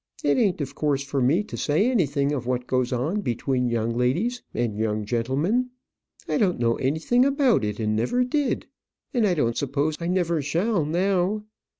It ain't of course for me to say anything of what goes on between young ladies and young gentlemen. I don't know anything about it, and never did; and I don't suppose I never shall now.